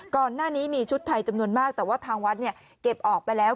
ก่อนหน้านี้มีชุดไทยจำนวนมากแต่ว่าทางวัดเนี่ยเก็บออกไปแล้ว